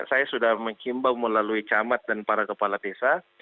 saya sudah menghimbau melalui camat dan para kepala desa